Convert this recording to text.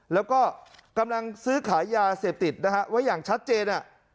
แล้วก็กำลังซื้อขายยาเสพติดนะฮะไว้อย่างชัดเจน